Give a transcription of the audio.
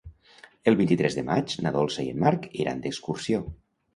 El vint-i-tres de maig na Dolça i en Marc iran d'excursió.